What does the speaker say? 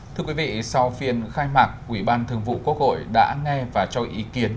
thưa quý vị sau phiên khai mạc ủy ban thường vụ quốc hội đã nghe và cho ý kiến